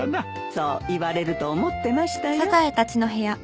そう言われると思ってましたよ。